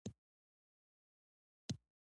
غوږونه د اذان له غږه خوند اخلي